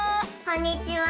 こんにちは。